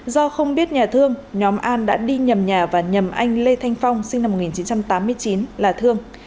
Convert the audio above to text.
do không biết nhà thương nhóm an đã đi nhầm nhà và nhầm anh lê thanh phong sinh năm một nghìn chín trăm tám mươi chín là thương